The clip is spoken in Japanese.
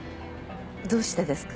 どうしてですか？